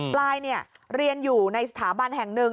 ปลายเรียนอยู่ในสถาบันแห่งหนึ่ง